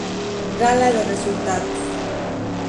Gala de resultados